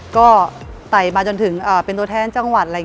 ก็ไต่มาจนถึงเป็นตัวแท้นจังหวัด